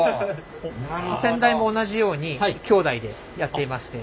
先代も同じように兄弟でやっていまして。